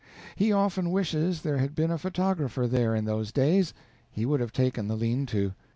He often wishes there had been a photographer there in those days, he would have taken the lean to.